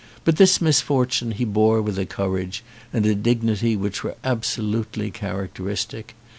But this misfortune he bore with a courage and a dignity which were absolutely characteristic.